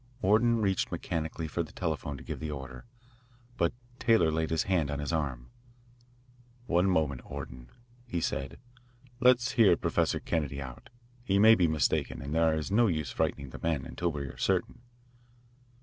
Orton reached mechanically for the telephone to give the order, but Taylor laid his hand on his arm. "One moment, Orton," he said. "Let's hear Professor Kennedy out. He may be mistaken, and there is no use frightening the men, until we are certain.